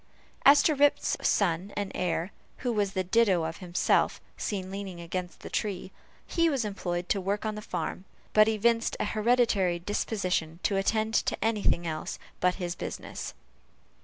As to Rip's son and heir, who was the ditto of himself, seen leaning against the tree, he was employed to work on the farm; but evinced an hereditary disposition to attend to any thing else but his business.